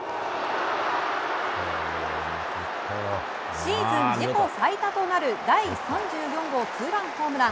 シーズン自己最多となる第３４号ツーランホームラン。